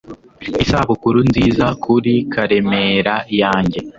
isabukuru nziza kuri karemera yanjye